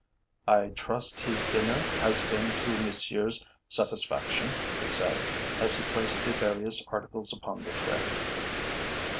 "I trust his dinner has been to Monsieur's satisfaction," he said, as he placed the various articles upon the tray.